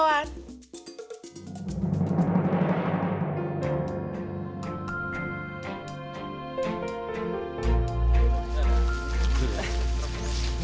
terima kasih pak rete